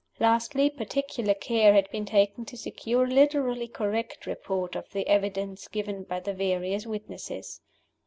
Lastly, particular care had been taken to secure a literally correct report of the evidence given by the various witnesses.